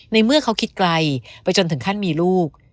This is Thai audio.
ในเมื่อเขาคิดไกลไปจนถึงขั้นมีลูก